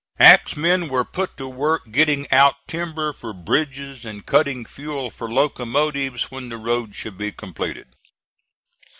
Axemen were put to work getting out timber for bridges and cutting fuel for locomotives when the road should be completed.